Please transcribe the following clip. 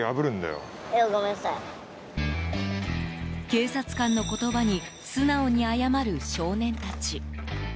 警察官の言葉に素直に謝る少年たち。